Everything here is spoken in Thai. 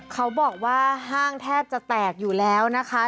เขาบอกว่าห้างแทบจะแตกอยู่แล้วนะคะ